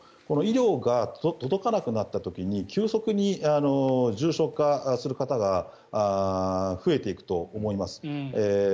この医療が届かなくなった時に急速に重症化する方が増えていくと思います。